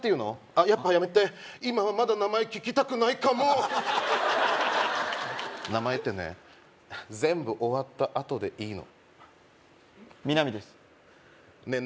あっやっぱやめて今はまだ名前聞きたくないかも名前ってね全部終わったあとでいいの南ですねえ